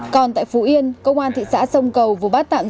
còn tại phú yên công an thị xã sông cầu vừa bắt tạm giữ